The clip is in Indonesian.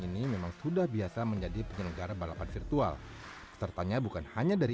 ini memang sudah biasa menjadi penyelenggara balapan virtual sertanya bukan hanya dari